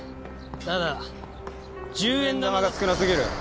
ただ１０円玉が少なすぎる。